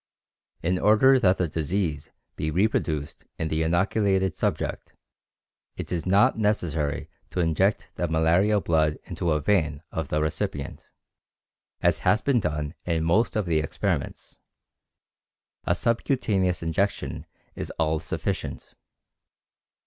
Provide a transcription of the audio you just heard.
"In order that the disease be reproduced in the inoculated subject it is not necessary to inject the malarial blood into a vein of the recipient, as has been done in most of the experiments; a subcutaneous injection is all sufficient.